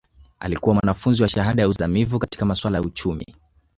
Alikuwa mwanafunzi wa shahada ya uzamivu katika masuala ya uchumi